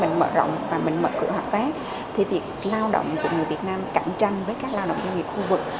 mình mở rộng và mình mở cửa hợp tác thì việc lao động của người việt nam cạnh tranh với các lao động doanh nghiệp khu vực